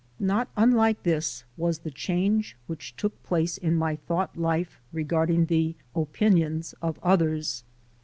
Not unlike this was the change which took place in my thought life regarding the opinions of others.